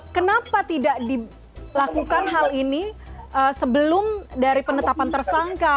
kenapa tidak dilakukan hal ini sebelum dari penetapan tersangka